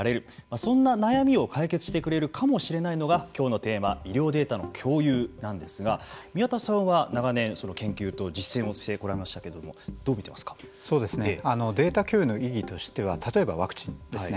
そんな悩みを解決してくれるかもしれないのがきょうのテーマ医療データの共有なんですが宮田さんは長年研究と実践をしてこられましたけれどもデータ共有の意義としては例えば、ワクチンですね。